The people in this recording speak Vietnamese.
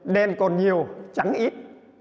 đen còn nhiều trắng ít